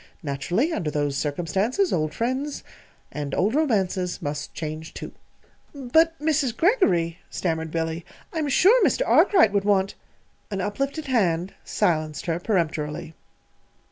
Naturally, under those circumstances, old friends and old romances must change, too." "But, Mrs. Greggory," stammered Billy, "I'm sure Mr. Arkwright would want " An up lifted hand silenced her peremptorily.